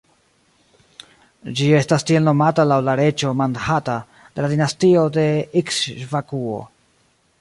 Ĝi estas tiel nomata laŭ la reĝo Mandhata de la dinastio de Ikŝvakuo.